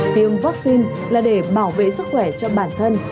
tiêm vaccine là để bảo vệ sức khỏe cho bản thân